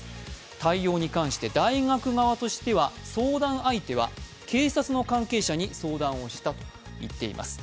対応に関して大学側としては相談相手は警察の関係者に相談をしたと言っています。